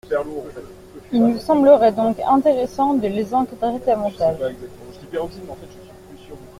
Il nous semblerait donc intéressant de les encadrer davantage.